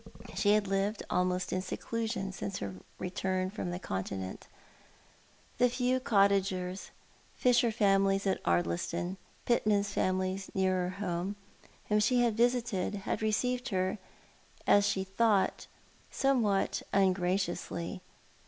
She had lived almost in seclusion since her return from the Continent. The few cottagers — fisher families at Ardliston, pitmen's families nearer home — whom she had visited had re ceived her, as she thought, somewhat ungracioiisly.